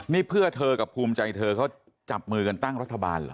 นี่เพื่อเธอกับภูมิใจเธอเขาจับมือกันตั้งรัฐบาลเหรอ